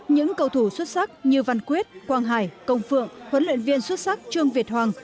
những cầu thủ xuất sắc như văn quyết quang hải công phượng huấn luyện viên xuất sắc trương việt hoàng